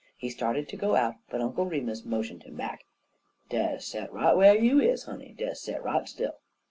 He started to go out, but Uncle Remus motioned him back. "Des set right whar you is, honey des set right still."